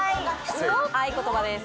合言葉です。